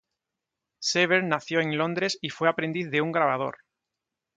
Severn nació en Londres y fue aprendiz de un grabador.